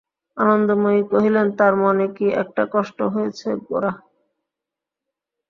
আনন্দময়ী কহিলেন, তার মনে কী একটা কষ্ট হয়েছে গোরা।